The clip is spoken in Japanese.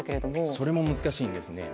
それも難しいんです。